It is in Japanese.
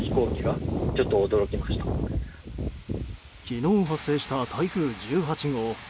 昨日発生した台風１８号。